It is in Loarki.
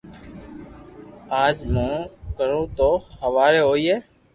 اج مون ڪرو تو ھواري ھوئي